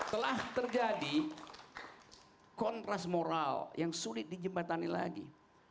telah terjadi kontras moral yang sulit dijembatani lagi